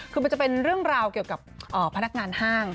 คือมันจะเป็นเรื่องราวเกี่ยวกับพนักงานห้าง